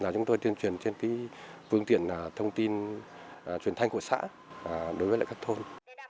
chúng tôi tuyên truyền trên phương tiện thông tin truyền thanh của xã đối với các thôn